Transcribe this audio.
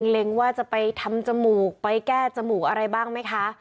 เล็งว่าจะไปทำจมูกไปแก้จมูกอะไรบ้างไหมคะ